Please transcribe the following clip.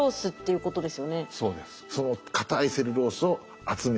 そうです。